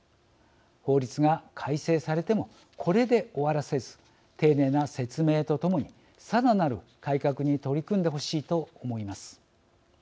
法律が改正されてもこれで終わらせず丁寧な説明とともにさらなる改革に取り組んでほしいと思います。